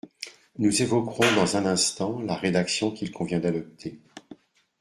Nous évoquerons dans un instant la rédaction qu’il convient d’adopter.